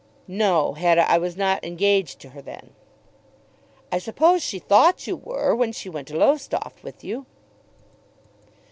"No, Hetta, I was not engaged to her then." "I suppose she thought you were when she went to Lowestoft with you."